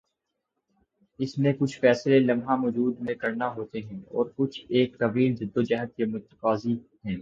اس میں کچھ فیصلے لمحہ موجود میں کرنا ہوتے ہیں اور کچھ ایک طویل جدوجہد کے متقاضی ہیں۔